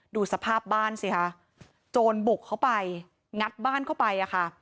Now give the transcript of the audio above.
ดูสภาพบ้านสิค่ะโจรบุกเข้าไปงัดบ้านเข้าไปอะค่ะ